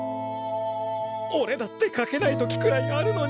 おれだってかけない時くらいあるのに。